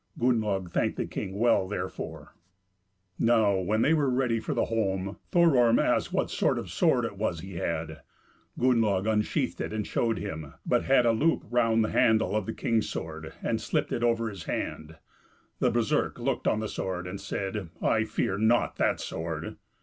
Gunnlaug thanked the king well therefor. Now when they were ready for the holm, Thororm asked what sort of a sword it was that he had. Gunnlaug unsheathed it and showed him, but had a loop round the handle of the king's sword, and slipped it over his hand; the bearserk looked on the sword, and said, "I fear not that sword."